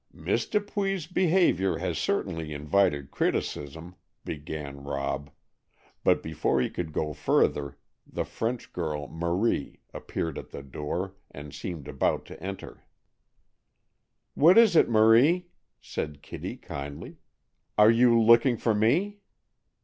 "Miss Dupuy's behavior has certainly invited criticism," began Rob, but before he could go further, the French girl, Marie, appeared at the door, and seemed about to enter. "What is it, Marie?" said Kitty kindly. "Are you looking for me?"